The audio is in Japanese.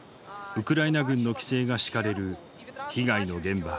ウクライナ軍の規制が敷かれる被害の現場。